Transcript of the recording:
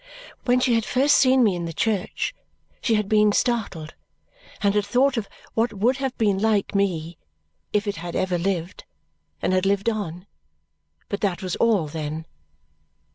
When she had first seen me in the church she had been startled and had thought of what would have been like me if it had ever lived, and had lived on, but that was all then.